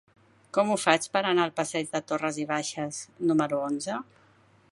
Com ho faig per anar al passeig de Torras i Bages número onze?